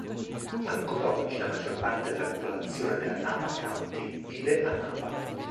Ancora oggi la maggior parte della popolazione della Napa County vive a Napa.